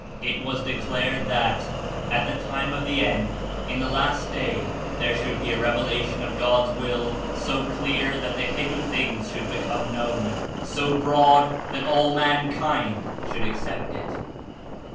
It was declared that, at the time of the end, in the last day, there should be a revelation of God's Will so clear that the hidden things should become known, so broad that all mankind should accept it.